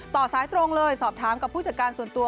ต่อสายตรงเลยสอบถามกับผู้จัดการส่วนตัว